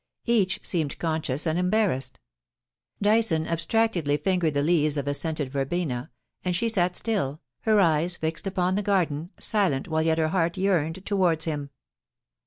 Each seemed conscious and embarrassed Dyson abstractedly fingered the leaves of a scented verbena, and she sat still, her eyes fixed upon the garden, silent while yet her heart yearned towards him.